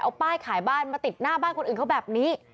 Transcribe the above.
เอาป้ายขายบ้านมาติดหน้าบ้านคนอื่นเขาแบบนี้